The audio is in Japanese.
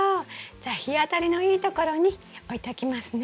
じゃあ日当たりのいいところに置いておきますね。